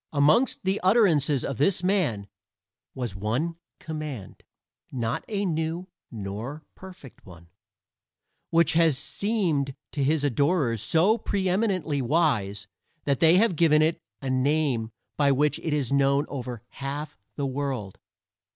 Amongst the utterances of this man was one command not a new nor perfect one which has seemed to his adorers so preeminently wise that they have given it a name by which it is known over half the world.